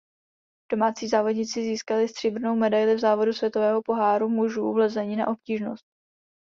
Domácí závodníci získali stříbrnou medaili v závodu světového poháru mužů v lezení na obtížnost.